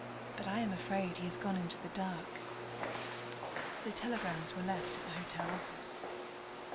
But I am afraid he has gone into the dark.' So telegrams were left at the hotel office.